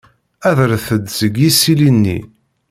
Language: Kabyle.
Adret-d seg yisili-nni.